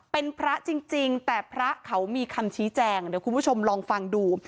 เป็นพระจริงแต่พระเขามีคำชี้แจงเดี๋ยวคุณผู้ชมลองฟังดู